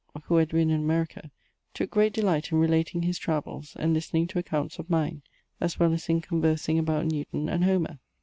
, who had been in America, took great delight in relating his travels and listening to accounts of mine» as well as in conversing about Newton and Homer.